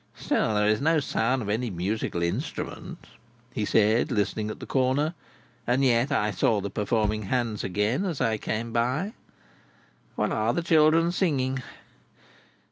"Still, there is no sound of any musical instrument," he said, listening at the corner, "and yet I saw the performing hands again, as I came by. What are the children singing?